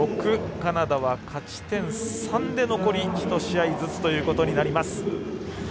カナダは勝ち点３で残り１試合ずつということになります。